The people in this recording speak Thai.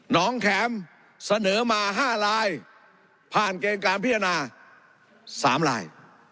น้องแข็มเสนอมา๕ลายผ่านเกณฑ์การพิจารณา๓ลาย